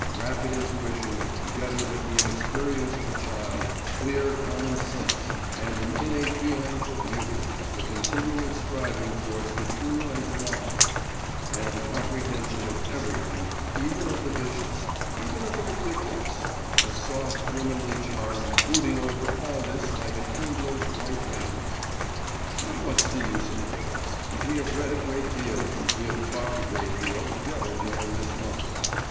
Rapid intuition, together with the inexperience of a child, clear common sense, and an innate feeling for beauty, a continual striving towards the true and the lofty, and a comprehension of everything, even of the vicious, even of the ridiculous, a soft womanly charm brooding over all this like an angel's white wings.… But what's the use of words! We have read a great deal, we have talked a great deal together during this month.